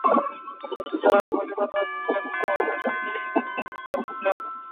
সুতরাং খলীফা তা ভেঙ্গে পূর্বাবস্থায় ফিরিয়ে নিতে নির্দেশ দেন।